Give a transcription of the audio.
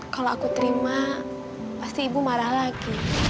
kalau aku terima pasti ibu marah lagi